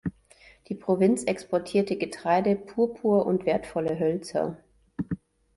Die Provinz exportierte Getreide, Purpur und wertvolle Hölzer.